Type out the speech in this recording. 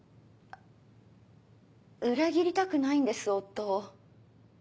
裏切りたくないんです夫を。